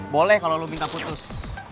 boleh kalau lo minta putus